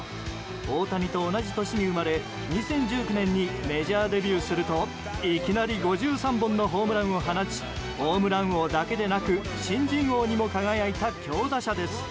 大谷と同じ年に生まれ２０１９年にメジャーデビューするといきなり５３本のホームランを放ちホームラン王だけでなく新人王にも輝いた強打者です。